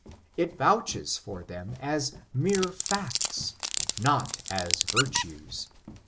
It vouches for them as mere facts, not as virtues.